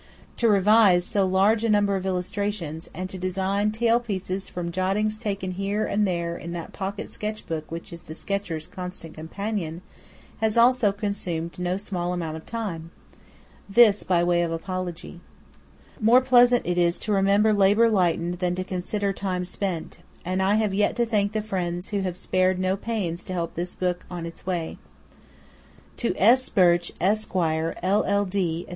To revise so large a number of illustrations, and to design tailpieces from jottings taken here and there in that pocket sketch book which is the sketcher's constant companion, has also consumed no small amount of time. This by way of apology. More pleasant is it to remember labour lightened than to consider time spent; and I have yet to thank the friends who have spared no pains to help this book on its way. To S. Birch, Esq., LL.D., etc.